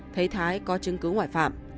thấy thái có chứng cứ ngoại phạm